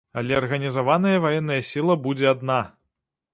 Але арганізаваная ваенная сіла будзе адна.